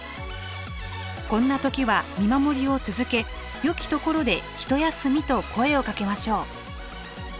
こんな時は見守りを続けよきところで「一休み」と声をかけましょう。